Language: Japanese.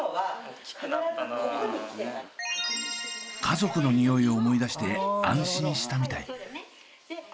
家族のニオイを思い出して安心したみたい。